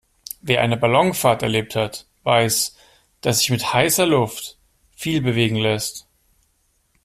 Wer eine Ballonfahrt erlebt hat, weiß, dass sich mit heißer Luft viel bewegen lässt.